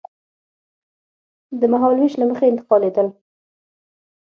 د مهالوېش له مخې انتقالېدل.